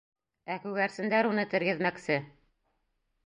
Ә күгәрсендәр уны тергеҙмәксе.